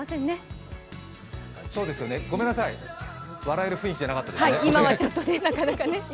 ごめんなさい、笑える雰囲気じゃなかったですね。